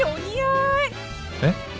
えっ？